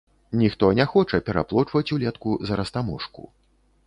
Ніхто не хоча пераплочваць улетку за растаможку.